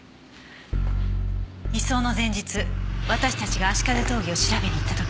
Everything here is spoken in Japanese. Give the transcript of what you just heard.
移送の前日私たちが葦風峠を調べに行った時。